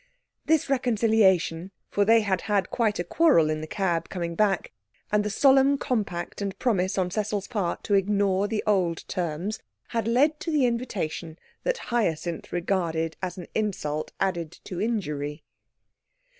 This reconciliation for they had had quite a quarrel in the cab coming back and the solemn compact and promise on Cecil's part to ignore the old terms, had led to the invitation that Hyacinth regarded as an insult added to injury.